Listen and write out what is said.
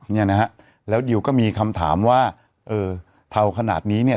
เนี่ยนะฮะแล้วดิวก็มีคำถามว่าเออเทาขนาดนี้เนี่ย